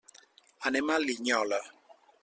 Anem a Linyola.